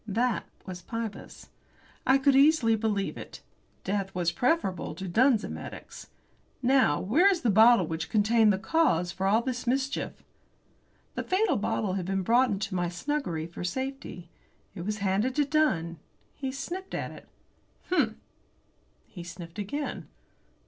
That was Pybus. I could easily believe it. Death was preferable to Dunn's emetics. "Now, where is the bottle which contained the cause of all the mischief?" The fatal bottle had been brought into my snuggery for safety. It was handed to Dunn. He sniffed at it. "Hum!" He sniffed again.